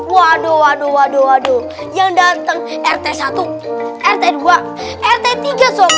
waduh waduh waduh yang dateng rt satu rt dua rt tiga sul